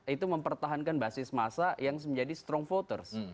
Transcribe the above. itu mempertahankan basis masa yang menjadi strong voters